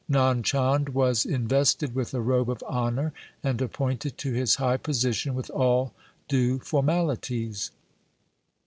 Nand Chand was invested with a robe of honour, and appointed to his high position with all due formalities.